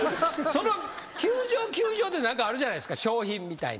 その球場球場で何かあるじゃないですか賞品みたいな。